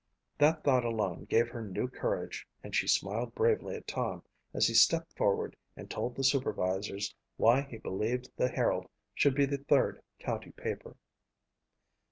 That thought alone gave her new courage and she smiled bravely at Tom as he stepped forward and told the supervisors why he believed the Herald should be the third county paper.